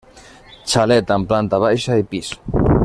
Xalet amb planta baixa i pis.